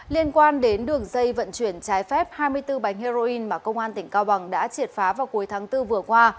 liên quan đến đường dây vận chuyển trái phép hai mươi bốn bánh heroin mà công an tỉnh cao bằng đã triệt phá vào cuối tháng bốn vừa qua